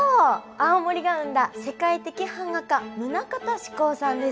青森が生んだ世界的板画家棟方志功さんです。